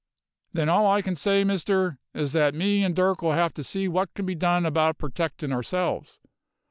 "Then all I can say, Mister, is that me and Dirk 'll have to see what can be done about purtectin' ourselves.